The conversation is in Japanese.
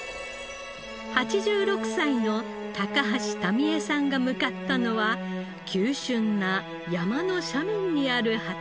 ８６歳の橋タミ江さんが向かったのは急峻な山の斜面にある畑。